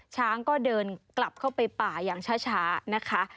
ช้างก็เดินกลับเข้าไปป่าอย่างช้านะคะ